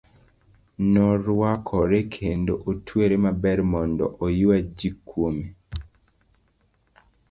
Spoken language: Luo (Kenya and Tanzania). Noruakore kendo otwere maber mondo oyua ji kuome.